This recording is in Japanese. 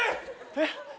えっ？